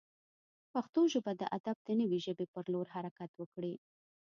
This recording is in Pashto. پښتو ژبه د ادب د نوې ژبې پر لور حرکت وکړي.